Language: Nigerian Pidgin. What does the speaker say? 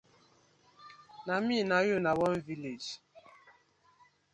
Na mi na yu na one village.